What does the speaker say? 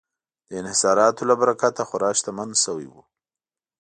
د انحصاراتو له برکته خورا شتمن شوي وو.